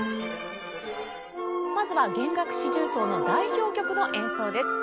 まずは弦楽四重奏の代表曲の演奏です。